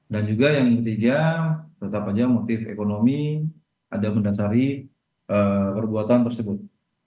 dan juga yang ketiga tetap saja motif ekonomi ada mendasari perbuatan tersebut